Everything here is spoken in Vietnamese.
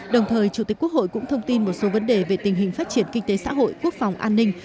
đồng thời chủ tịch quốc hội cũng thông tin một số vấn đề về tình hình phát triển kinh tế xã hội quốc phòng an ninh